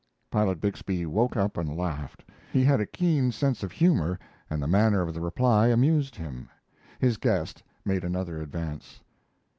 Pilot Bixby woke up and laughed; he had a keen sense of humor, and the manner of the reply amused him. His guest made another advance.